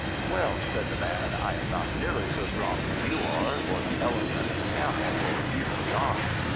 "Well," said the Man, "I am not nearly so strong as you are, or the Elephant and Camel, or even the Ox.